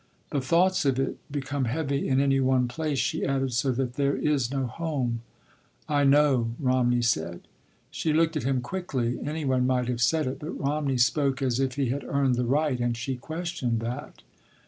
"The thoughts of it become heavy in any one place," she added, "so that there is no home—" "I know," Romney said. She looked at him quickly. Any one might have said it, but Romney spoke as if he had earned the right, and she questioned that.